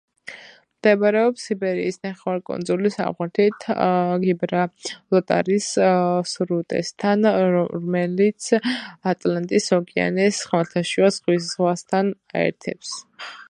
მდებარეობს იბერიის ნახევარკუნძულის სამხრეთით, გიბრალტარის სრუტესთან, რომელიც ატლანტის ოკეანეს ხმელთაშუა ზღვასთან აერთებს.